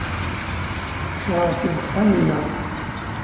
Ffɣeɣ seg uxxam-nneɣ.